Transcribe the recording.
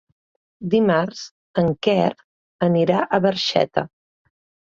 Dimarts en Quer anirà a Barxeta.